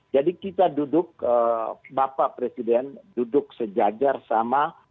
jadi kita duduk bapak presiden duduk sejajar sama